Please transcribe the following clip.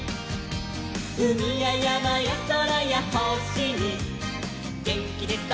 「うみややまやそらやほしにげんきです！